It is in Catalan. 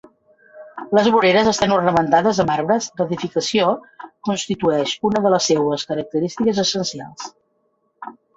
Les voreres estan ornamentades amb arbres i l'edificació constitueix una de les seues característiques essencials.